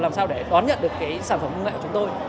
làm sao để đón nhận được cái sản phẩm công nghệ của chúng tôi